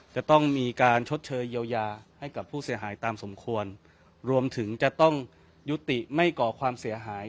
จะต้องมีการชดเชยเยียวยาให้กับผู้เสียหายตามสมควรรวมถึงจะต้องยุติไม่ก่อความเสียหาย